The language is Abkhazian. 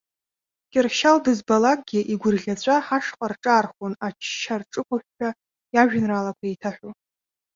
Кьыршьал дызбалакгьы игәырӷьаҵәа ҳашҟа рҿаархон ачча рҿықәыҳәҳәа иажәеинраалақәа еиҭаҳәо.